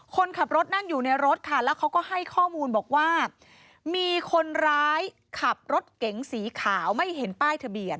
คนขับรถนั่งอยู่ในรถค่ะแล้วเขาก็ให้ข้อมูลบอกว่ามีคนร้ายขับรถเก๋งสีขาวไม่เห็นป้ายทะเบียน